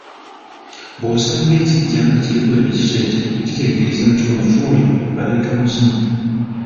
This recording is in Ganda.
Bw’osanga ekiggya nga kiriko ekiteete kikutegeeza nti omufu oyo baleeta muzimu.